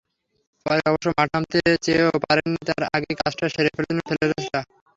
পরে অবশ্য মাঠে নামতে চেয়েও পারেননি, তার আগেই কাজটা সেরে ফেলেছিলেন ফ্লেচাররা।